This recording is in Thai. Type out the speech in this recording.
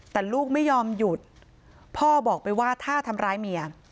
แต่ลูกไม่ยอมหยุดพ่อบอกไปว่าถ้าทำร้ายเมีย